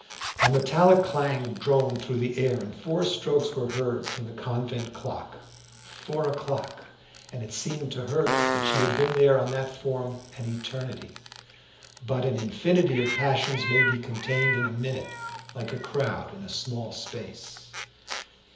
A metallic clang droned through the air, and four strokes were heard from the convent clock. Four o'clock! And it seemed to her that she had been there on that form an eternity. But an infinity of passions may be contained in a minute, like a crowd in a small space.